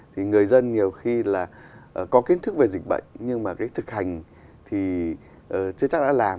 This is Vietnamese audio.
thì người dân nhiều khi là có kiến thức về dịch bệnh nhưng mà cái thực hành thì chế tác đã làm